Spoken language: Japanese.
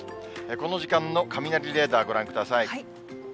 この時間の雷レーダー、ご覧ください。